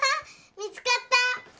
見つかった。